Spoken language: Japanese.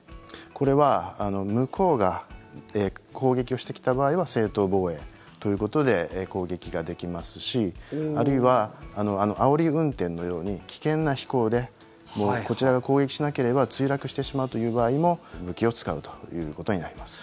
これは向こうが攻撃をしてきた場合は正当防衛ということで攻撃ができますしあるいはあおり運転のように危険な飛行でこちらが攻撃しなければ墜落してしまうという場合も武器を使うということになります。